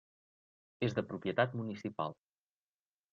És de propietat municipal.